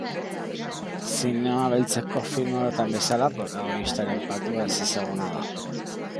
Zinema beltzeko film orotan bezala, protagonistaren patua ezezaguna da.